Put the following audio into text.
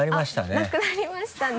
あっなくなりましたね